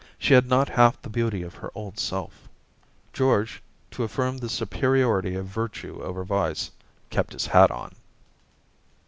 She had not half the beauty of her old self. •.. George, to affirm the superiority of virtue over vice, kept his hat on.